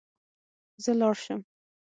زه لاړ شم